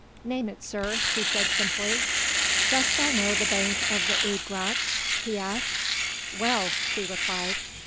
"Name it, sir," she said simply. "Dost know the bank of the Oude Gracht?" he asked. "Well," she replied.